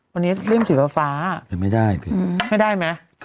วันนี้เล่มศิษยธิษฐาฟ้าอ่ะไม่ได้ไม่ได้ไหม